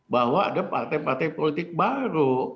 bahwa ada partai partai politik baru